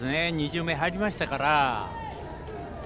２巡目、入りましたから。